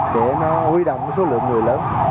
để nó huy động số lượng người lớn